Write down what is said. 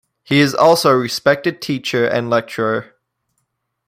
He is also a respected teacher and lecturer.